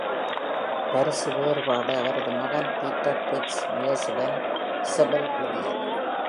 பரிசு வேறுபாடு அவரது மகன் பீட்டர் பிரிக்ஸ் மியர்ஸுடன் இசபெல் எழுதியது.